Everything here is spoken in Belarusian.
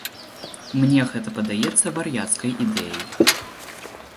Мне гэта падаецца вар'яцкай ідэяй.